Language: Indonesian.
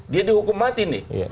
dia dihukum mati nih